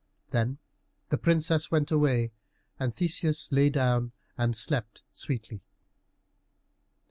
Then the Princess went away, and Theseus lay down and slept sweetly.